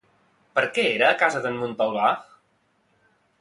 Per què era a casa d'en Montalvà?